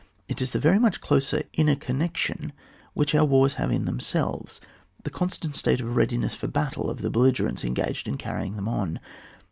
It is the very much closer inner connection which our wars have in themselves, the constant state of readiness for battle of the belli gerents engaged in carrying them on.